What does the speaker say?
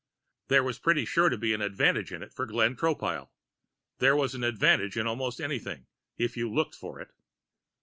There was pretty sure to be an advantage in it for Glenn Tropile. There was an advantage in almost anything, if you looked for it.